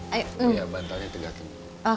iya bantalnya tegakin